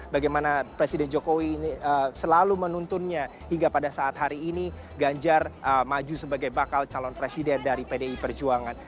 bagaimana presiden jokowi ini selalu menuntunnya hingga pada saat hari ini ganjar maju sebagai bakal calon presiden dari pdi perjuangan